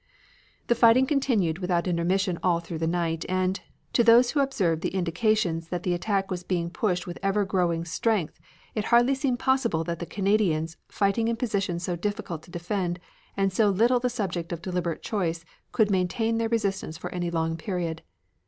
The fighting continued without intermission all through the night, and, to those who observed the indications that the attack was being pushed with ever growing strength, it hardly seemed possible that the Canadians, fighting in positions so difficult to defend and so little the subject of deliberate choice, could maintain their resistance for any long period.